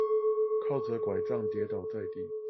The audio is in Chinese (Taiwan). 靠著柺杖跌倒在地